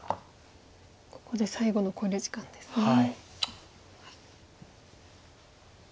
ここで最後の考慮時間ですね。